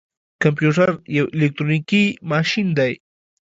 کمپيوټر يو اليکترونيکي ماشين دی.